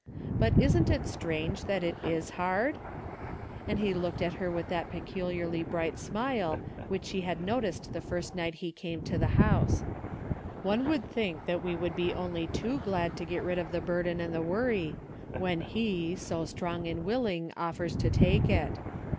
But isn't it strange that it is hard ?" And he looked at her with that peculiarly bright smile which she had noticed the first night he came to the house. ''One would think that we would be only too glad to get rid of the 264 DAILY EATEA* burden and the worry, when he, so strong and willing offers to take it.